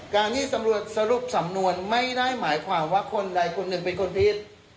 การที่สรุปสำนวนไม่ได้หมายความว่าคนใดคนหนึ่งเป็นคนผิด